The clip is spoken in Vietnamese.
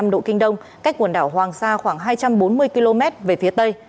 một trăm linh độ kinh đông cách quần đảo hoàng sa khoảng hai trăm bốn mươi km về phía tây